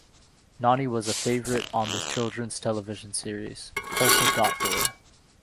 Nonnie was a favorite on the children's television series, Polka Dot Door.